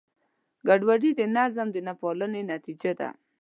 ګډوډي د نظم د نهپالنې نتیجه ده.